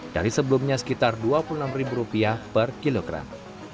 dari sebelumnya sekitar rp dua puluh enam per kilogram